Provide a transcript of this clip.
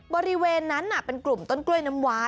บริเวณนั้นเป็นกลุ่มต้นกล้วยน้ำว้า